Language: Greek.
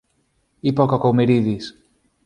είπε ο Κακομοιρίδης